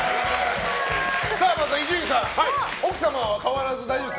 まずは伊集院さん奥様は変わらず大丈夫ですか。